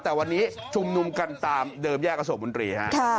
แต่วันนี้ชุมนุมกันตามเดิมแยกอโศกมนตรีฮะ